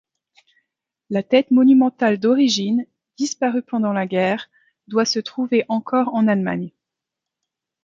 La tête monumentale d’origine, disparue pendant la guerre, doit se trouver encore en Allemagne.